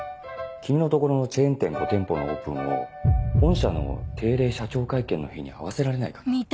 君のところのチェーン店５店舗のオープンを本社の定例社長会見の日に合わせられないかな？